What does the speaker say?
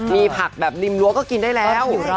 มีผักแบบริมรั้วก็กินได้แล้ว